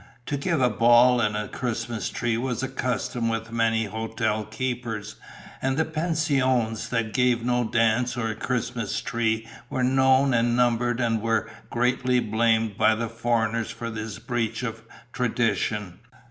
To give a ball and a Christmas tree was a custom with many hotel keepers; and the pensions that gave no dance or Christmas tree were known and numbered and were greatly blamed by the foreigners for this breach of tradition.